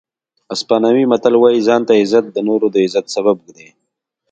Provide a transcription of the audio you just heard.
اسپانوي متل وایي ځان ته عزت د نورو د عزت سبب دی.